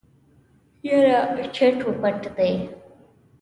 يره چټ و پټ دی.